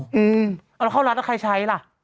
เออเอาแล้วก็เข้ารัฐที่จะใครใช้ล่ะ